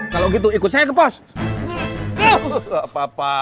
kalau enggan meng earnings belt